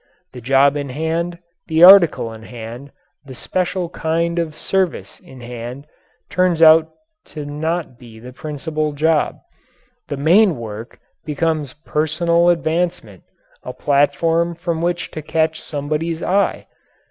The job in hand the article in hand, the special kind of service in hand turns out to be not the principal job. The main work becomes personal advancement a platform from which to catch somebody's eye.